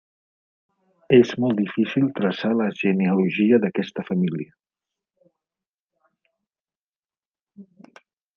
És molt difícil traçar la genealogia d'aquesta família.